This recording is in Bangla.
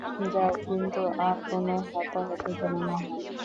যাও কিন্তু আর কোনো হতাহত যেন না হয়।